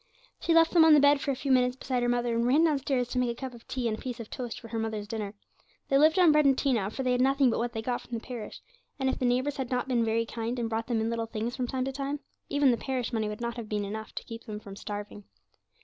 She left them on the bed for a few minutes beside her mother, and ran downstairs to make a cup of tea and a piece of toast for mother's dinner. They lived on bread and tea now, for they had nothing but what they got from the parish, and if the neighbours had not been very kind, and brought them in little things from time to time, even the parish money would not have been enough to keep them from starving.